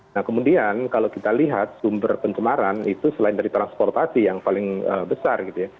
nah kemudian kalau kita lihat sumber pencemaran itu selain dari transportasi yang paling besar gitu ya